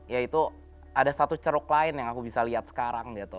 yaitu ada satu ceruk lain yang aku bisa lihat sekarang gitu